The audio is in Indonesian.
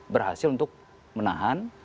berhasil untuk menahan